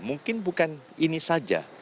mungkin bukan ini saja